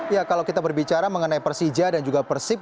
ya kalau kita berbicara mengenai persija dan juga persib